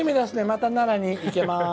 また奈良に行けます。